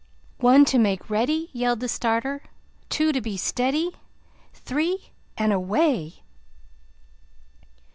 "One, to make ready!" yelled the starter. "Two, to be steady. Three and away!"